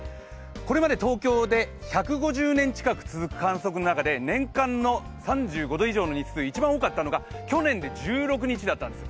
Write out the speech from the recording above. これまで東京で１５０年近く続く観測の中で年間の３５度以上、一番多かったのは去年まで１６日だったんです。